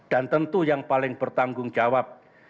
dan tentu yang paling bertanggung jawab